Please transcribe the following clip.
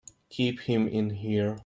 Keep him in here!